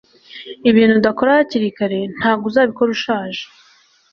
ibintu udakora hakiri kare ntago uzabikora ushaje